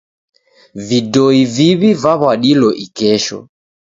Vidoi viw'i vaw'adilo ikesho.